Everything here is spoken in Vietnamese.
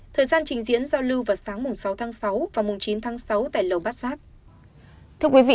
thời gian trình diễn giao lưu vào sáng sáu sáu và chín sáu tại lầu bát giáp